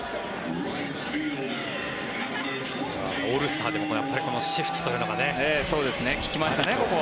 オールスターでもこのシフトというのが利きますね、ここは。